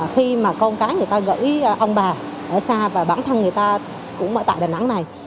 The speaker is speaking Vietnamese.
khi mà con cái người ta gửi ông bà ở xa và bản thân người ta cũng ở tại đà nẵng này